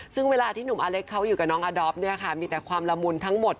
ซึ่งเวลาที่หนุ่มอเล็กเขาอยู่กับน้องอดอฟเนี่ยค่ะมีแต่ความละมุนทั้งหมด